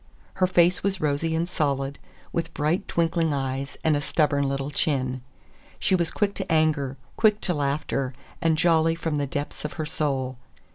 Her face was rosy and solid, with bright, twinkling eyes and a stubborn little chin. She was quick to anger, quick to laughter, and jolly from the depths of her soul.